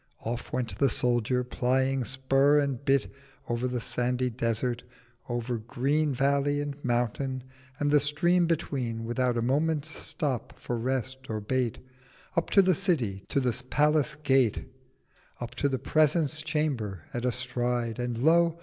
'— Off went the Soldier, plying Spur and Bit— Over the sandy Desert, over green Valley, and Mountain, and the Stream between, Without a Moment's Stop for rest or bait, Up to the City—to the Palace Gate— Up to the Presence Chamber at a Stride— And Lo!